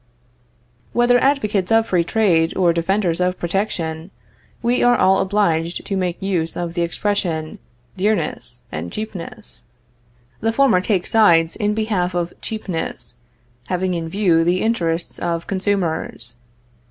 Whether advocates of free trade or defenders of protection, we are all obliged to make use of the expression dearness and cheapness. The former take sides in behalf of cheapness, having in view the interests of consumers.